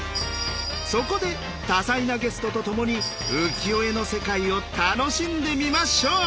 そこで多彩なゲストとともに浮世絵の世界を楽しんでみましょう！